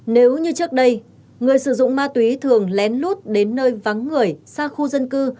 nếu như trước đây người sử dụng ma túy thường lén lút đến nơi vắng người xa khu dân cư